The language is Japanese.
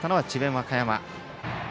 和歌山。